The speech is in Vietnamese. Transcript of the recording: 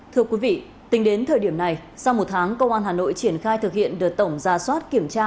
thưa quý vị tính đến thời điểm này sau một tháng công an hà nội triển khai thực hiện đợt tổng ra soát kiểm tra